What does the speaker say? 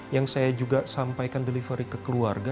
yang saya juga sampaikan delivery ke keluarga